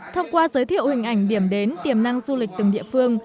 thông qua giới thiệu hình ảnh điểm đến tiềm năng du lịch từng địa phương